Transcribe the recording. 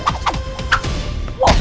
tidak apa sea sand